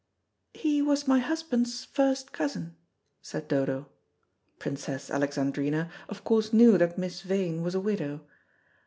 "He was my husband's first cousin," said Dodo. Princess Alexandrina of course knew that Miss Vane was a widow.